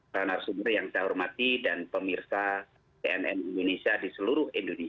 para narasumber yang saya hormati dan pemirsa tnn indonesia di seluruh indonesia